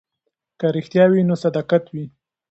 که رښتیا وي نو صداقت وي.